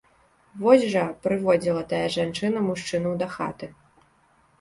Вось жа, прыводзіла тая жанчына мужчынаў дахаты.